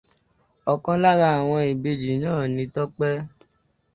Ọ̀kan lárá àwọn ìbejì náà ni Tọ́pẹ́.